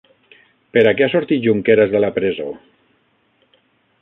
Per a què ha sortit Junqueras de la presó?